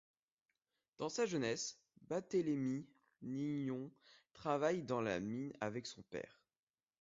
Dans sa jeunesse, Barthélemy Niollon travaille dans la mine avec son père.